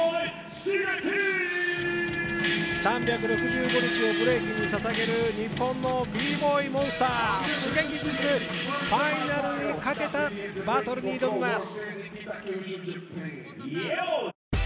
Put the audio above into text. ３６５日をブレイキンにささげる日本のＢ−ＢＯＹモンスターＳｈｉｇｅｋｉｘ、ファイナルにかけたバトルに挑みます！